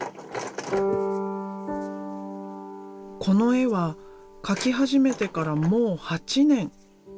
この絵は描き始めてからもう８年。